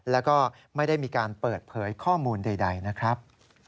แล้วก็ไม่ได้มีการเปิดเผยข้อมูลใดนะครับ